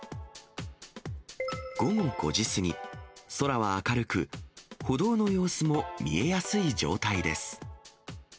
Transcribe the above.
午後５時過ぎ、空は明るく、歩道の様子も見えやすい状態です。